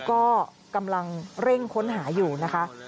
ก็กำลังเร่งค้นหาอยู่นะคะ